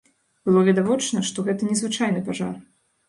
Было відавочна, што гэта незвычайны пажар.